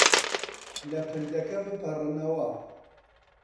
لە پردەکە بپەڕنەوە.